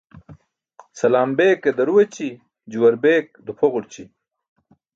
Salam beke daru eci̇, juwar bek dupʰoġurći.